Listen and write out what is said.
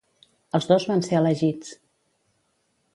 Els dos van ser elegits.